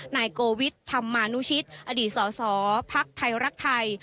นายโกวิทธรรมานุชิตอดีตสสพักไทยรักไทย